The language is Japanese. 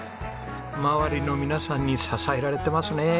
周りの皆さんに支えられてますね。